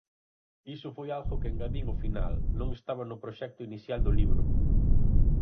Iso foi algo que engadín ao final, non estaba no proxecto inicial do libro.